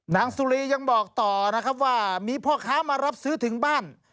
นางสุรียังบอกต่อนะครับว่ามีพ่อค้ามารับซื้อถึงบ้าน